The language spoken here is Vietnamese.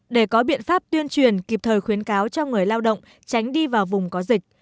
để có biện pháp tuyên truyền kịp thời khuyến cáo cho người lao động tránh đi vào vùng có dịch